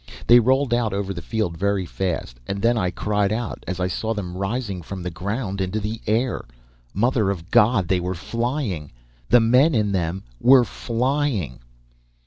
They rolled out over the field very fast and then I cried out as I saw them rising from the ground into the air. Mother of God, they were flying! The men in them were flying!